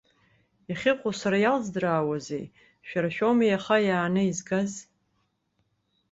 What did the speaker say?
Иахьыҟоу сара иалздыраауазеи, шәара шәоуми иаха иааины изгаз?